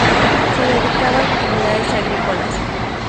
Se dedicaba a actividades agrícolas.